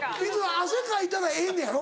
汗かいたらええのやろ？